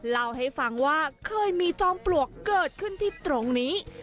เล่าให้ฟังว่าเคยมีจอมปลวกเกิดขึ้นที่ตรงนี้